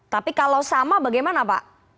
tapi kalau sama bagaimana pak